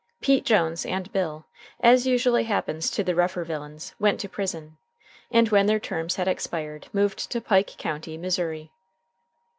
Pete Jones and Bill, as usually happens to the rougher villains, went to prison, and when their terms had expired moved to Pike County, Missouri.